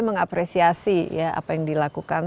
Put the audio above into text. mengapresiasi ya apa yang dilakukan